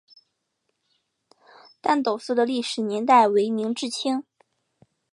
旦斗寺的历史年代为明至清。